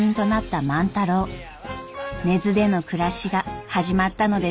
根津での暮らしが始まったのです。